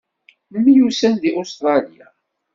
Nemyussan deg Ustṛalya.